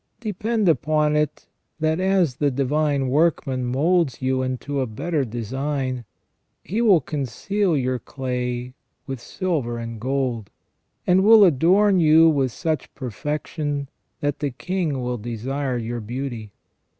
Depend upon it that, as the Divine Workman moulds you into a better design, He will conceal your clay with silver and gold, and will adorn you with such perfection that the King will desire your beauty.